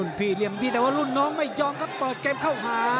พี่เหลี่ยมดีแต่ว่ารุ่นน้องไม่ยอมครับเปิดเกมเข้าหา